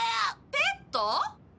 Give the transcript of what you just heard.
ペット？